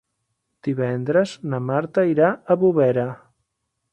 Divendres na Marta irà a Bovera.